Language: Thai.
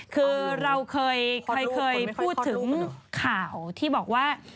คือเราเคยพูดถึงข่าวที่บอกว่า